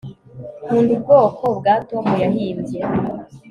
Nkunda ubwoko bwa Tom yahimbye